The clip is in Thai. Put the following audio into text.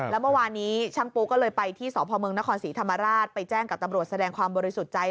แล้วเมื่อวานนี้ช่างปูก็เลยไปที่สพเมืองนครศรีธรรมราชไปแจ้งกับตำรวจแสดงความบริสุทธิ์ใจ